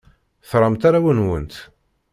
Tramt arraw-nwent?